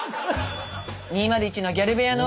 ２０１のギャル部屋のお二人。